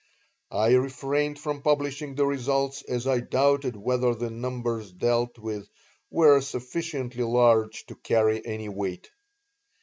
I refrained from publishing the results as I doubted whether the numbers dealt with were sufficiently large to carry any weight.